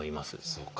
そうか。